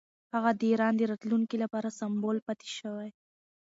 هغه د ایران د راتلونکي لپاره سمبول پاتې شوی.